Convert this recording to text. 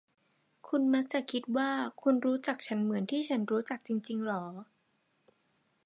คุณมักจะคิดว่าคุณรู้จักฉันเหมือนที่ฉันรู้จักจริง ๆ เหรอ ?